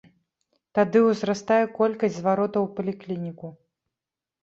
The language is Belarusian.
Тады ўзрастае колькасць зваротаў у паліклініку.